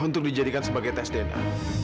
untuk dijadikan sebagai tes dna